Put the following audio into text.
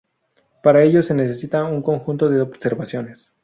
Para ello se necesita un conjunto de observaciones.